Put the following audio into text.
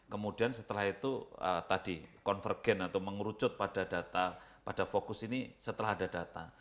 kemudian setelah itu tadi convergen atau mengerucut pada data pada fokus ini setelah ada data